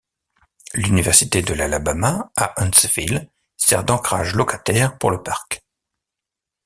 L'Université de l'Alabama à Huntsville sert d'ancrage locataire pour le parc.